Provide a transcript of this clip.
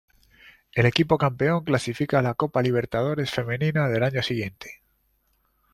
El equipo campeón clasifica a la Copa Libertadores Femenina del año siguiente.